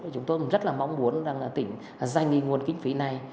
chúng tôi rất là mong muốn rằng là tỉnh dành nguồn kinh phí này